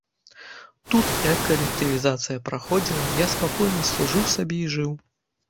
Тут, як калектывізацыя праходзіла, я спакойна служыў сабе і жыў.